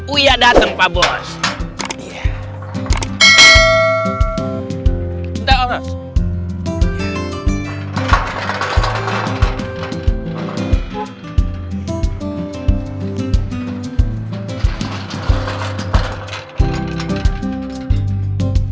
udah dateng pak bos